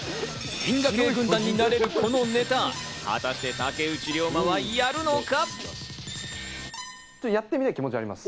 銀河系軍団になれるこのネタ、果たして竹内涼真はやるのか？